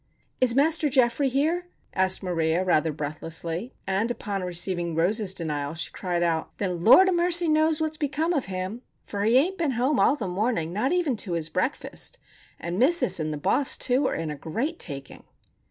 "Is Master Geoffrey here?" asked Maria, rather breathlessly. And, upon receiving Rose's denial, she cried out: "Then Lord a mercy knows what's become of him! For he ain't been home all the morning, not even to his breakfast, and missis and the boss, too, are in a great taking!"